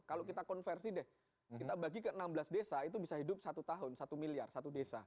kalau kita konversi deh kita bagi ke enam belas desa itu bisa hidup satu tahun satu miliar satu desa